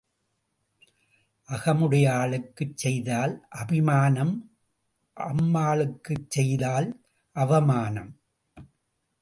அகமுடையாளுக்குச் செய்தால் அபிமானம் அம்மாளுக்குச் செய்தால் அவமானம்.